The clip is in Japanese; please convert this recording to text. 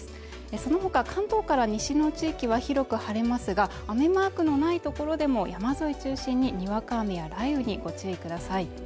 そのほか関東から西の地域は広く晴れますが雨マークのない所でも山沿いを中心ににわか雨や雷雨にご注意ください